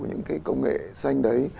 những cái công nghệ xanh đấy